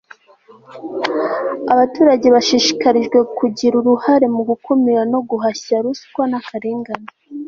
abaturage bashishikarijwe kugira uruhare mu gukumira no guhashya ruswa n'akarengane